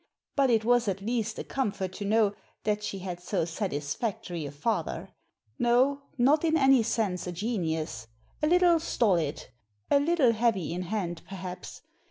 But it was at least a comfort to know that she had so satisfactory a father. No, not in any sense a genius. A little stolid. A little heavy in hand, perhaps.